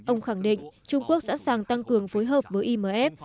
ông khẳng định trung quốc sẵn sàng tăng cường phối hợp với imf